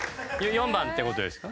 ４番って事ですか？